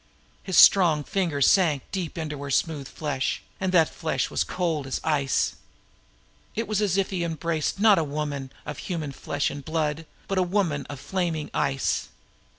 His strong fingers sank deep into her smooth flesh, and that flesh was cold as ice. It was as if he embraced not a woman of human flesh and blood, but a woman of flaming ice.